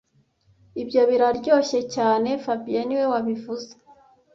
Ibyo biraryoshye cyane fabien niwe wabivuze